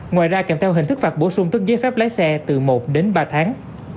ngoài ra kèm theo hình thức phạt bổ sung tức giấy phép lái xe từ một đến ba tháng